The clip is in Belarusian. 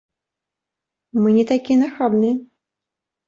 Мы не такія нахабныя.